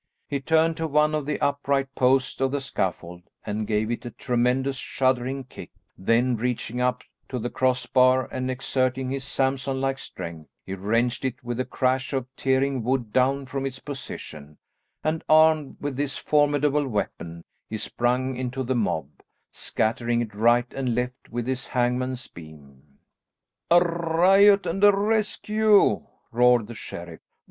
He turned to one of the upright posts of the scaffold and gave it a tremendous shuddering kick; then reaching up to the cross bar and exerting his Samson like strength, he wrenched it with a crash of tearing wood down from its position, and armed with this formidable weapon he sprung into the mob, scattering it right and left with his hangman's beam. "A riot and a rescue!" roared the sheriff.